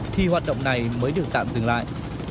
thì hoạt động này mới được tạm dừng lại